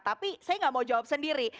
tapi saya nggak mau jawab sendiri